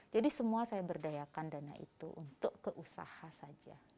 jadi semua saya berdayakan dana itu untuk keusahaan saja